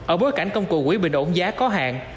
ở bối cảnh công cụ quỹ bình ổn giá có hạn